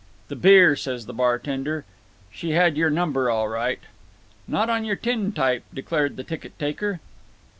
"The beer," said the bartender. "She had your number, all right." "Not on your tin type," declared the ticket taker.